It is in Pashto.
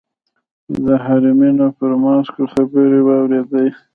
د حرمینو پر ماسکو خبرې واورېدې.